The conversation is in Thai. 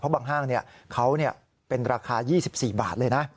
บางห้างเขาเป็นราคา๒๔บาทเลยนะ